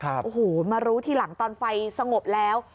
โอ้โหมารู้ทีหลังตอนไฟสงบแล้ว